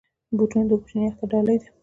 بوټونه د کوچني اختر ډالۍ ده.